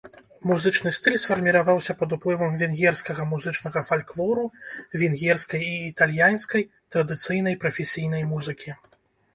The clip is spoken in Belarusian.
Музычны стыль сфарміраваўся пад уплывам венгерскага музычнага фальклору, венгерскай і італьянскай традыцыйнай прафесійнай музыкі.